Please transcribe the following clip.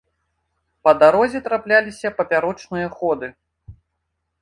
Па дарозе трапляліся папярочныя ходы.